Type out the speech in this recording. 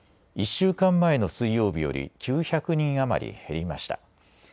１週間前の水曜日より９００人余り減りました。